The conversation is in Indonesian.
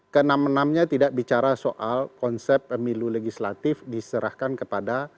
kenam enamnya tidak bicara soal konsep pemilu legislatif diserahkan kepada